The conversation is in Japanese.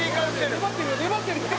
「粘ってるよ！